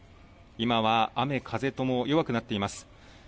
今は雨風とも弱くなっています。